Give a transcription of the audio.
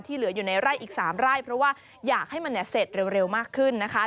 เหลืออยู่ในไร่อีก๓ไร่เพราะว่าอยากให้มันเสร็จเร็วมากขึ้นนะคะ